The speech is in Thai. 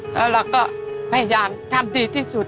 แล้วเราก็พยายามทำดีที่สุด